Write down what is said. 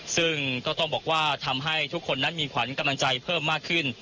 ซึ่งก็ต้องบอกว่าทำให้ทุกคนนั้นมีขวัญกำลังใจเพิ่มมากขึ้น